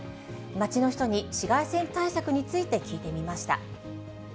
街の人に紫外線対策について聞いてみました。